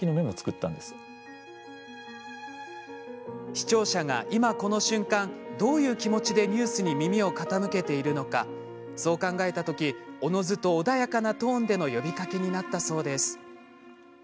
視聴者が今この瞬間どういう気持ちでニュースに耳を傾けているのかそう考えた時おのずと穏やかなトーンでの呼びかけになったそうです。